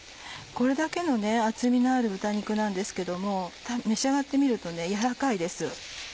これだけの厚みのある豚肉なんですけども召し上がってみると軟らかいです。